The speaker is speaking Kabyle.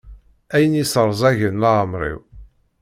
Ayen yesserẓagen leɛmeṛ-iw.